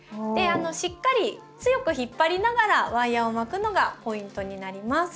しっかり強く引っ張りながらワイヤーを巻くのがポイントになります。